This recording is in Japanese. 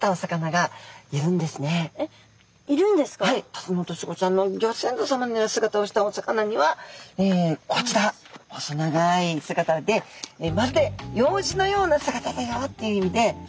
タツノオトシゴちゃんのギョ先祖さまのお姿をしたお魚にはこちら細長い姿でまるでヨウジのような姿だよっていう意味で。